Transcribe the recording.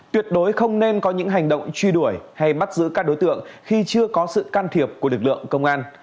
tuyệt đối không nên có những hành động truy đuổi hay bắt giữ các đối tượng khi chưa có sự can thiệp của lực lượng công an